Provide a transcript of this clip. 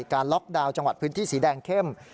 ล็อกดาวน์จังหวัดพื้นที่สีแดงเข้ม